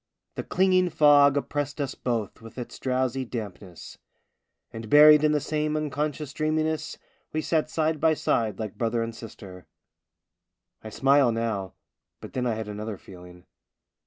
The clinging fog oppressed us both with its drowsy dampness ; and buried in the same un 318 POEMS IN PROSE conscious dreaminess, we sat side by side like brother and sister. I smile now ... but then I had another feeling.